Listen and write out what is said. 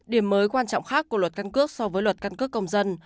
điểm mới quan trọng khác của luật căn cước so với luật căn cước công dân